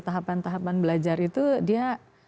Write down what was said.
tahapan tahapan belajar itu dia